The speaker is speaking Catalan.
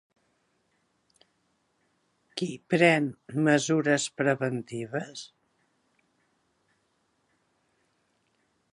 Qui pren mesures preventives?